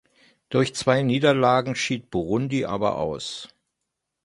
Durch zwei Niederlagen schied Burundi aber aus.